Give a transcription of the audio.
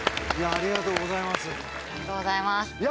ありがとうございます。